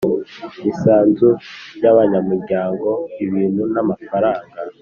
Misanzu y abanyamuryango ibintu n amafaranga